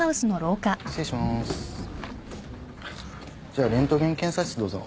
じゃあレントゲン検査室どうぞ。